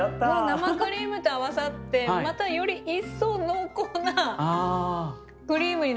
生クリームと合わさってまたより一層濃厚なクリームになりました。